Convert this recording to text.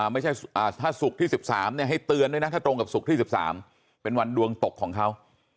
ไม่ใช่ถ้าศุกร์ที่๑๓ให้เตือนด้วยนะถ้าตรงกับศุกร์ที่๑๓เป็นวันดวงตกของเขา